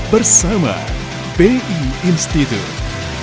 bersama b i institute